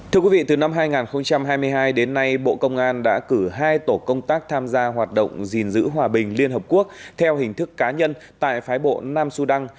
thưa quý vị từ năm hai nghìn hai mươi hai đến nay bộ công an đã cử hai tổ công tác tham gia hoạt động gìn giữ hòa bình liên hợp quốc theo hình thức cá nhân tại phái bộ nam sudan